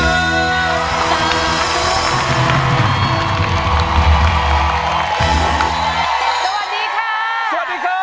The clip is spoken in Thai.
สวัสดีค่ะ